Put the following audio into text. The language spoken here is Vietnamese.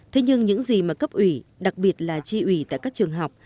thế nhưng những gì mà cấp ủy đặc biệt là tri ủy tại các trường học